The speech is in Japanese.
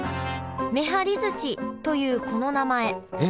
めはりずしというこの名前